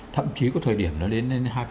thậm chí có thời điểm nó đến